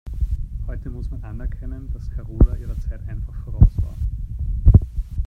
Heute muss man anerkennen, dass Karola ihrer Zeit einfach voraus war.